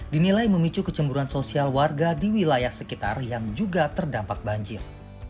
dinilai memicu kecemburuan sosial warga di wilayah sekitar yang juga terdampak banjir